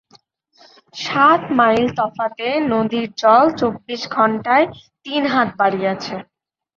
সাত মাইল তফাতে নদীর জল চব্বিশ ঘণ্টায় তিন হাত বাড়িয়াছে।